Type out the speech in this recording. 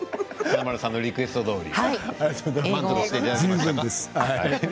華丸さんのリクエストどおり。